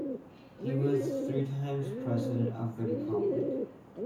He was three times President of the Republic.